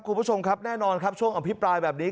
คุณผู้ชมครับแน่นอนครับช่วงอภิปรายแบบนี้